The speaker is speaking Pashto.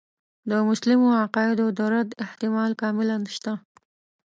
د مسلمو عقایدو د رد احتمال کاملاً شته.